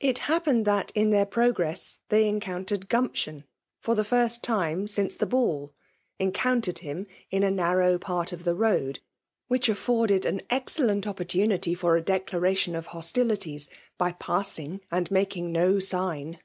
It happened that, in their progress^ they enconntered Oumption, lor the first time since the baU; encountered him in a narrow part of the road, which aflTorded an excellent opportunity for a declaration of hostilities, by passing and making no sign